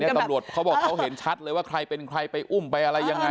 ตำรวจเขาบอกเขาเห็นชัดเลยว่าใครเป็นใครไปอุ้มไปอะไรยังไง